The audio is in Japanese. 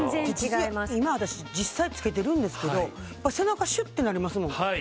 今私実際着けてるんですけどやっぱ背中しゅってなりますもん。